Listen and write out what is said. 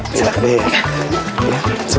silahkan deh ya